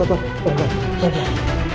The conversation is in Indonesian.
buat pengen di saint s kiss